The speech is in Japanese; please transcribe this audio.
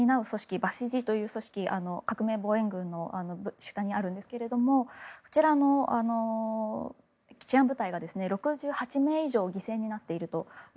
バシジという組織革命防衛隊の下にあるんですがこちらの治安部隊が６８名以上犠牲になっているという。